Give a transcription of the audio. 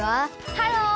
ハロー！